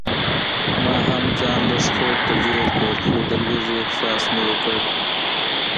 ما هم ځان لږ خوب ته جوړ کړ خو د لوږې احساس مې وکړ.